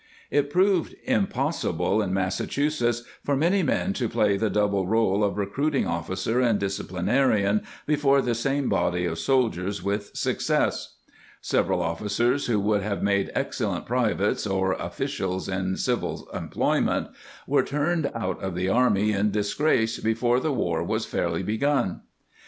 It proved impossible in Massachu setts for many men to play the double rdle of recruiting officer and disciplinarian before the same body of soldiers with success. Several of ficers who would have made excellent privates or officials in civil employment were turned out of the army in disgrace before the war was fairly begun.